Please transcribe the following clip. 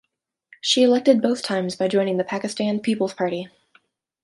She elected both times by joining the Pakistan Peoples Party.